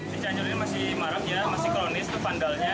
di cianjur ini masih marak ya masih kronis itu pandalnya